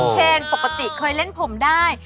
เชนปกติเคยเล่นผมได้